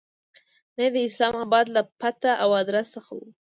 نه یې د اسلام آباد له پته او آدرس څخه کوو.